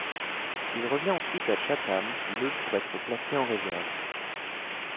Il revient ensuite à Chatham le pour être placé en réserve.